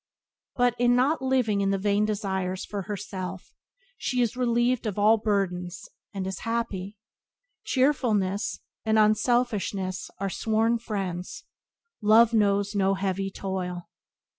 But, not living in vain desires for herself, she is relieved of all burdens, and is happy. Cheerfulness and unselfishness are sworn friends. Love knows no heavy toil.